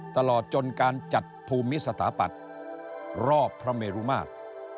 ตลอดจนการจัดภูมิสถาปัตย์รอบพระเมรุมาตร